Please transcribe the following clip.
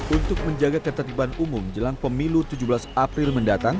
untuk menjaga ketertiban umum jelang pemilu tujuh belas april mendatang